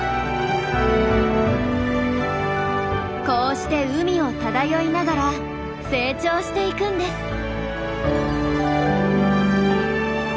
こうして海を漂いながら成長していくんです。